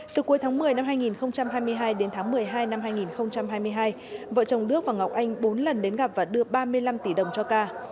từ cuối tháng một mươi năm hai nghìn hai mươi hai đến tháng một mươi hai năm hai nghìn hai mươi hai vợ chồng đức và ngọc anh bốn lần đến gặp và đưa ba mươi năm tỷ đồng cho ca